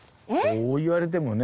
そう言われてもね。